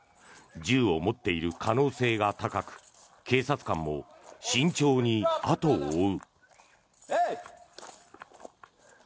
銃を持っている可能性が高く警察官も慎重に後を追う。